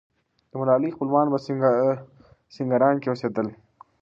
د ملالۍ خپلوان په سینګران کې اوسېدل.